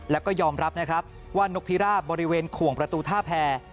แล้วก็ยอมรับนะครับว่านกพิราบบริเวณขวงประตูท่าแพร